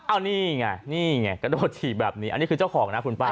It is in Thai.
อันนี้ไงนี่ไงกระโดดถีบแบบนี้อันนี้คือเจ้าของนะคุณป้า